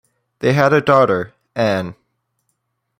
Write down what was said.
They had a daughter, Ann.